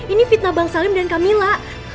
ini fitnah bang salim dan camilla